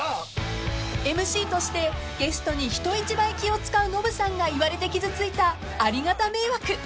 ［ＭＣとしてゲストに人一倍気を使うノブさんが言われて傷ついた「ありがた迷惑」］